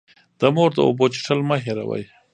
د مور د اوبو څښل مه هېروئ.